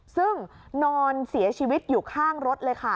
ซึ่งนอนเสียชีวิตอยู่ข้างรถเลยค่ะ